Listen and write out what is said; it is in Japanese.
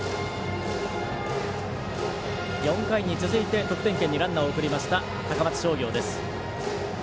４回に続いて得点圏にランナーを送りました高松商業です。